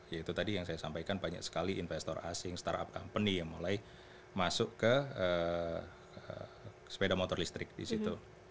ya itu tadi yang saya sampaikan banyak sekali investor asing startup company yang mulai masuk ke sepeda motor listrik di situ